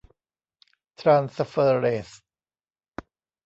ทรานสเฟอร์เรส